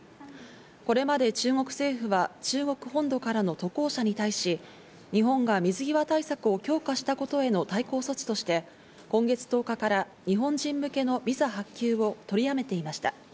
これまで中国政府は中国本土からの渡航者に対し、日本が水際対策を強化したことへの対抗措置として、今月１０日から日本人向けのビザ発給を取り止めていました。